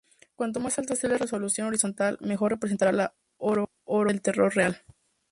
Cuanto más alta sea la resolución horizontal, mejor representará la orografía del terreno real.